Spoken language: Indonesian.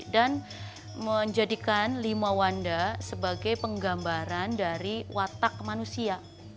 dan menjadikan lima wanda sebagai penggambaran dari watak manusia